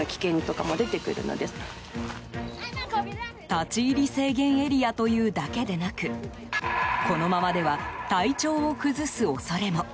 立ち入り制限エリアというだけでなくこのままでは体調を崩す恐れも。